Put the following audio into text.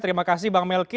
terima kasih bang melki